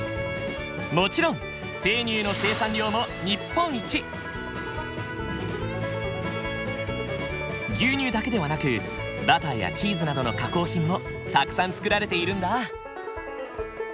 もちろん牛乳だけではなくバターやチーズなどの加工品もたくさん作られているんだ。